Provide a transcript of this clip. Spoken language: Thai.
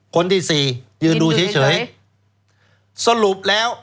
คนที่สี่ยืนดูเฉยสรุปแล้ว